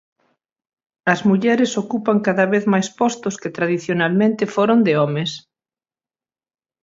As mulleres ocupan cada vez máis postos que tradicionalmente foron de homes.